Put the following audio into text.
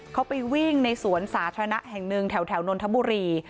เขาไปวิ่งในสวนสาธารณะแห่งหนึ่งแถวนนทบุรี